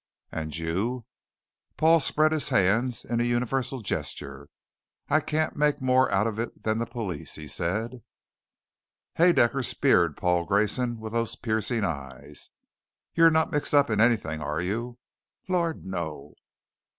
"And you?" Paul spread his hands in a universal gesture. "I can't make more out of it than the police," he said. Haedaecker speared Paul Grayson with those piercing eyes. "You're not mixed up in anything, are you?" "Lord no!"